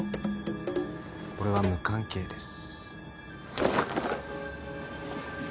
俺は無関係です。